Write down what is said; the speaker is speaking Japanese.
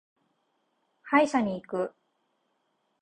歯医者に行く。